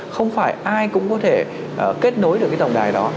không phải ai cũng có thể kết nối được cái tổng đài đó